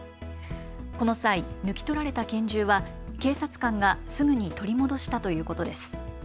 この際、抜き取られた拳銃は警察官がすぐに取り戻したということです。